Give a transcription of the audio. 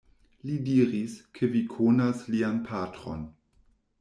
Li diris, ke vi konas lian patron.